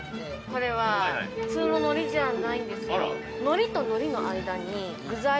◆これは普通の海苔じゃないんですよ。